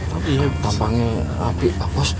tapi ya bapaknya api apos